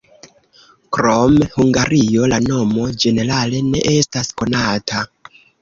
Krom Hungario la nomo ĝenerale ne estas konata.